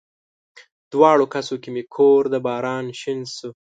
دواړو کسو کې مې کور د باران شین شو